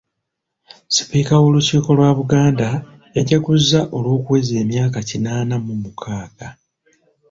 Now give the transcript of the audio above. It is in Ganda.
Sipiika w'Olukiiko lwa Buganda, yajaguzza olw'okuweza emyaka kinaana mu mukaaga.